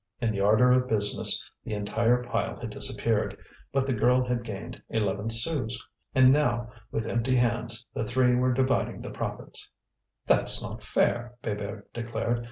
In the ardour of business, the entire pile had disappeared; but the girl had gained eleven sous. And now, with empty hands, the three were dividing the profits. "That's not fair!" Bébert declared.